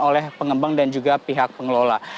oleh pengembang dan juga pihak pengelola